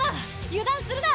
油断するな！